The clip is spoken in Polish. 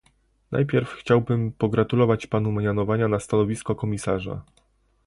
Najpierw chciałbym pogratulować panu mianowania na stanowisko komisarza